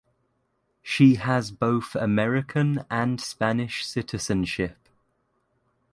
She has both American and Spanish citizenship.